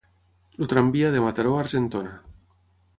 El tramvia de Mataró a Argentona.